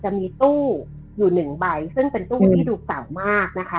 จะมีตู้อยู่หนึ่งใบซึ่งเป็นตู้ที่ดูเก่ามากนะคะ